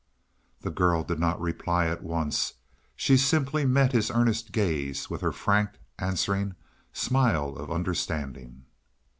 The girl did not reply at once; she simply met his earnest gaze with her frank answering smile of understanding.